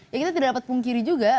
ya kita tidak dapat pungkiri juga